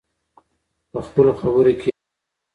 په خپلو خبرو کې یې وکاروو.